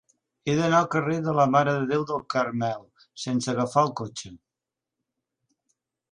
He d'anar al carrer de la Mare de Déu del Carmel sense agafar el cotxe.